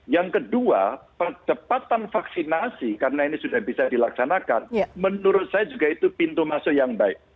yang kedua percepatan vaksinasi karena ini sudah bisa dilaksanakan menurut saya juga itu pintu masuk yang baik